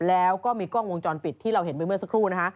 แล้วก็มีกล้องวงจรปิดที่เราเห็นไปเมื่อสักครู่นะฮะ